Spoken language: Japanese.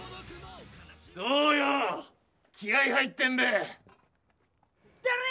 どーよ、気合入ってんべ。